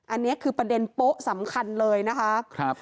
อันนี้คือประเด็นโป๊ะสำคัญเลยนะคะ